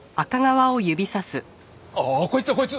ああこいつだこいつ！